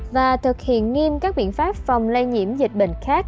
và thực hiện nghiêm các biện pháp phòng lây nhiễm dịch bệnh khác